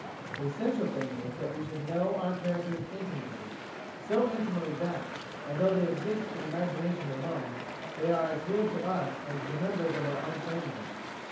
The essential thing is that we should know our characters intimately, so intimately that, although they exist in imagination alone, they are as real to us as the members of our own family.